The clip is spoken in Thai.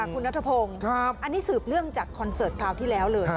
คุณนัทพงศ์อันนี้สืบเนื่องจากคอนเสิร์ตคราวที่แล้วเลย